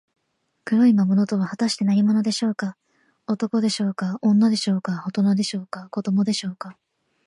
黒い魔物とは、はたして何者でしょうか。男でしょうか、女でしょうか、おとなでしょうか、子どもでしょうか。